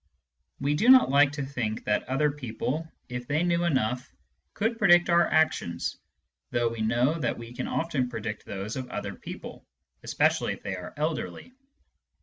We do not like to think that other people, if they knew enough, could predict our actions, though we know that we can often predict those of other people, especially if they are elderly.